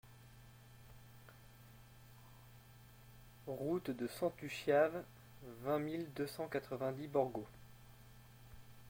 Route de Centu Chiave, vingt mille deux cent quatre-vingt-dix Borgo